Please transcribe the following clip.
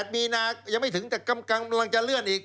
๘มีนายังไม่ถึงแต่กำกังมันกำลังจะเลื่อนอีก